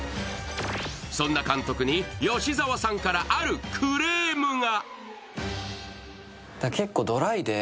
そんな監督に吉沢さんからあるクレームが。